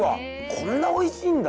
こんな美味しいんだ。